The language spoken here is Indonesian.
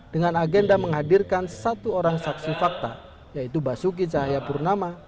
dengan agenda menghadirkan satu orang saksi fakta yaitu basuki cahayapurnama